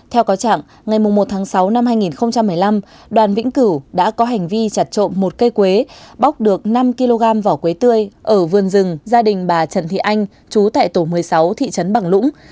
theo cáo trạng ngày một tháng sáu năm hai nghìn một mươi năm đoàn vĩnh cửu đã có hành vi chặt trộm một cây quế bóc được năm kg vỏ quế tươi ở vườn rừng gia đình bà trần thị anh chú tại tổ một mươi sáu thị trấn bằng lũng